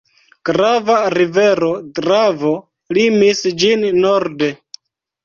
Grava rivero Dravo limis ĝin norde.